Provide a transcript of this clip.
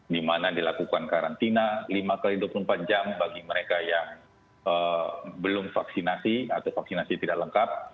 di mana dilakukan karantina lima x dua puluh empat jam bagi mereka yang belum vaksinasi atau vaksinasi tidak lengkap